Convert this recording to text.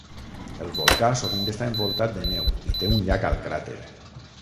El volcà sovint està envoltat de neu i té un llac al cràter.